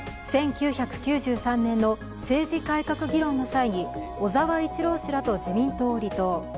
１９９３年の政治改革議論の際に小沢一郎氏らと自民党を離党。